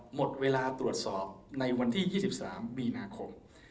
หมดเวลาตรวจสอบในวันที่๒๓มีนาคม